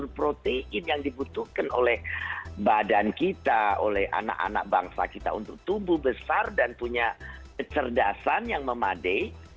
dan juga protein yang dibutuhkan oleh badan kita oleh anak anak bangsa kita untuk tumbuh besar dan punya kecerdasan yang memade